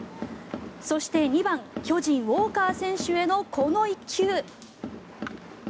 そして、２番巨人、ウォーカー選手へのこの１球。